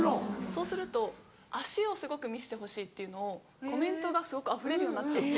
そうすると足をすごく見せてほしいっていうのをコメントがすごくあふれるようになっちゃって。